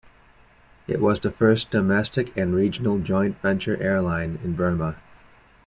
It was the first domestic and regional Joint Venture Airline in Burma.